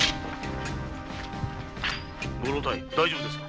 ご老体大丈夫か？